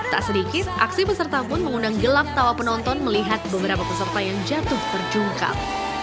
tak sedikit aksi peserta pun mengundang gelap tawa penonton melihat beberapa peserta yang jatuh terjungkal